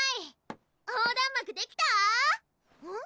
横断幕できた？